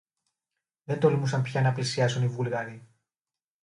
Δεν τολμούσαν πια να πλησιάσουν οι Βούλγαροι